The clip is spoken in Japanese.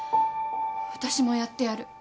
私もやってやる。